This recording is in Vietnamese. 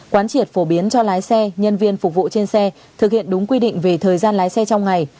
quán triệt phổ biến cho lái xe nhân viên phục vụ trên xe thực hiện đúng quy định về thời gian lái xe trong ngày